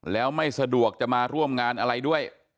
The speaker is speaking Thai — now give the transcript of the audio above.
แล้วไม่สะดวกจะมาร่วมงานอะไรด้วย